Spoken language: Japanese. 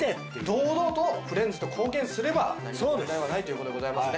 堂々とフレンズと公言すれば何も問題はないという事でございますね。